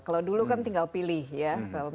kalau dulu kan tinggal pilih ya